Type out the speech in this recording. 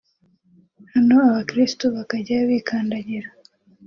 hano abakristo bakajyayo bikandagira